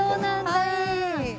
はい。